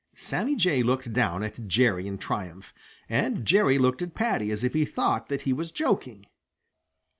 Sammy Jay looked down at Jerry in triumph, and Jerry looked at Paddy as if he thought that he was joking.